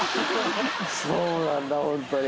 そうなんだホントに。